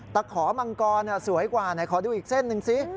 แต่ขอมังกรสวยกว่าขอดูอีกเส้นนึงสิ